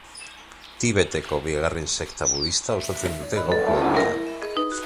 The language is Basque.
Tibeteko bigarren sekta budista osatzen dute gaurko egunean.